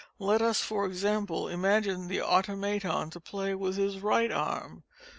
Let us, for example, imagine the Automaton to play with his right arm.